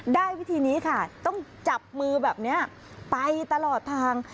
วิธีนี้ค่ะต้องจับมือแบบนี้ไปตลอดทาง